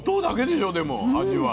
でも味は。